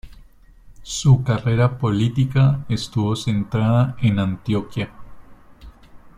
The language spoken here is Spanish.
Su carrera política estuvo centrada en Antioquía.